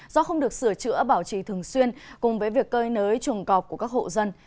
do không được sửa chữa bảo trì thường xuyên cùng với việc cơi nới chuồng cọp của các hộ dân